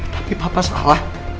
tapi papa salah